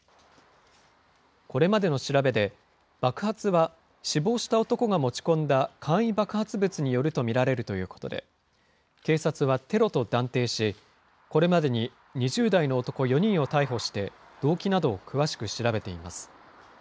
これまでの調べで、爆発は死亡した男が持ち込んだ簡易爆発物によると見られるということで、警察はテロと断定し、これまでに２０代の男４人を逮捕して、動機などを詳しく調べています。